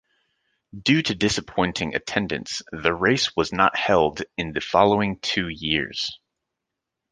Due to disappointing attendance, the race was not held in the following two years.